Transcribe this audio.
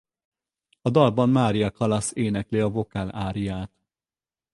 A dalban Maria Callas énekli a vokál áriát.